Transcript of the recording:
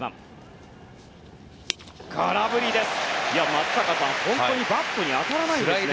松坂さん、本当にバットに当たりませんね。